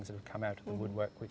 tapi kami menjaga mereka